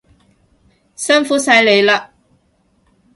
辛苦晒你喇